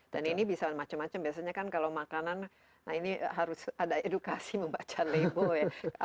dan ini bisa macam macam biasanya kan kalau makanan nah ini harus ada edukasi membaca label ya